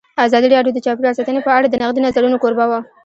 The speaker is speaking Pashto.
ازادي راډیو د چاپیریال ساتنه په اړه د نقدي نظرونو کوربه وه.